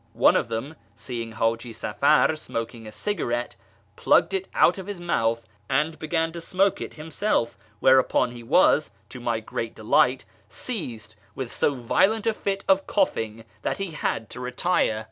One of them, ' seeing Haji Safar smoking a cigarette, plucked it out of his mouth and began to smoke it himself, whereupon he was, to my great delight, seized with so violent a fit of coughing that lie had to retire.